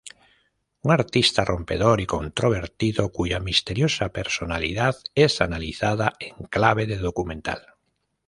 Un artista rompedor y controvertido cuya misteriosa personalidad es analizada en clave de documental.